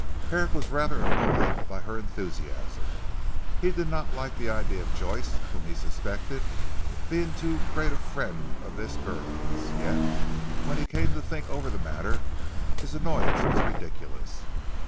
Herrick was rather annoyed by her enthusiasm. He did not like the idea of Joyce whom he suspected, being too great a friend of this girl's. Yet when he came to think over the matter, his annoyance was ridiculous.